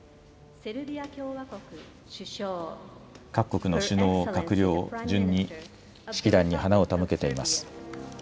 各国の首脳、閣僚、順に式壇に花を手向けています。